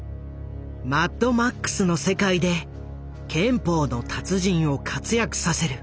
「マッドマックス」の世界で拳法の達人を活躍させる。